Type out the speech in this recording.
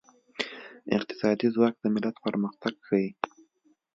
اقتصادي ځواک د ملت پرمختګ ښيي.